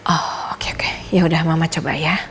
oh oke oke yaudah mama coba ya